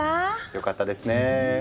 よかったですねぇ。